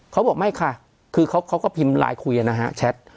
เขาบอกไม่ค่ะคือเขาก็พิมพ์ไลน์คุยนะฮะแชท